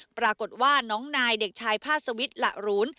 ปรากฏว่าน้องนายเด็กชายพาสวิทย์หละหรูน